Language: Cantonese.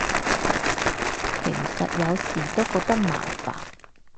其實有時都覺得麻煩